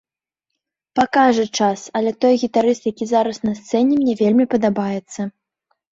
Пакажа час, але той гітарыст, які зараз на сцэне, мне вельмі падабаецца.